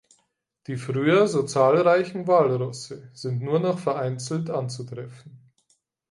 Die früher so zahlreichen Walrosse sind nur noch vereinzelt anzutreffen.